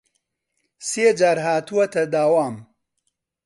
سێ جار هاتووەتە داوام